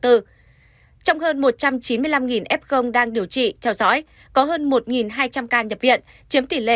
trong hơn một trăm chín mươi năm f đang điều trị theo dõi có hơn một hai trăm linh ca nhập viện chiếm tỷ lệ sáu mươi ba